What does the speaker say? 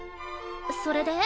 それで？